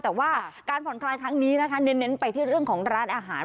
แต่ว่าการผ่อนคลายครั้งนี้นะคะเน้นไปที่เรื่องของร้านอาหาร